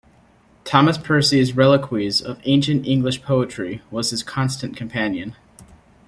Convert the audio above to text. Thomas Percy's "Reliques of Ancient English Poetry" was his constant companion.